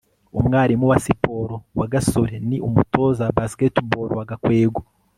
umwarimu wa siporo wa gasore ni umutoza wa basketball wa gakwego